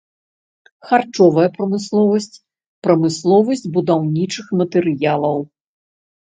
Харчовая прамысловасць, прамысловасць будаўнічых матэрыялаў.